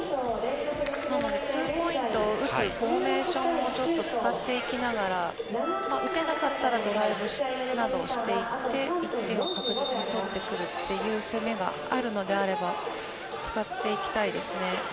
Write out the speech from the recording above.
ツーポイントを打つフォーメーションをちょっと使っていきながら打てなかったらドライブなどをしていって１点を確実に取ってくるという攻めがあるのであれば使っていきたいですね。